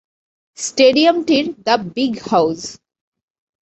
স্টেডিয়ামটির "the big house".